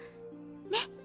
ねっ！